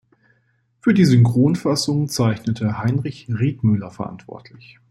Für die Synchronfassung zeichnete Heinrich Riethmüller verantwortlich.